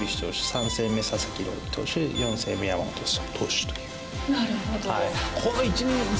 ３戦目、佐々木朗希投手で４戦目、山本投手と。